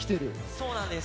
そうなんです。